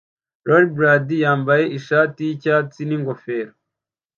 rollerblader yambaye ishati yicyatsi n'ingofero